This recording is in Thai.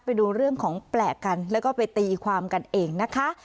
ไปดูเรื่องของแปลกกันแล้วก็ไปตีความกันเองนะคะ